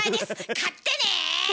買ってね！